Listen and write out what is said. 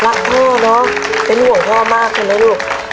รักพ่อเนาะเป็นห่วงพ่อมากขึ้นเลยลูก